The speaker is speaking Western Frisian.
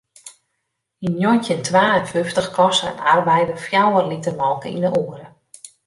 Yn njoggentjin twa en fyftich koste in arbeider fjouwer liter molke yn 'e oere.